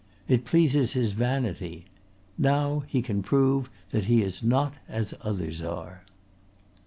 It pleases his vanity. Now he can prove that he is not as others are."